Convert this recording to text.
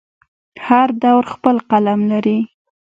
هر دور خپل قلم لري.